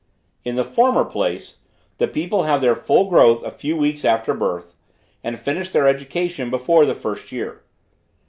In the former place, the people have their full growth a few weeks after birth, and finish their education before the first year.